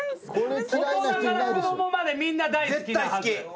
大人から子供までみんな大好きなはず。